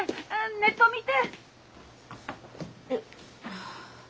ネット見て！